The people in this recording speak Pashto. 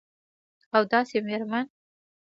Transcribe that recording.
او داسي میرمن